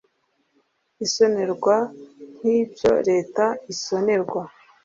isonerwa nk ibyo leta isonerwa.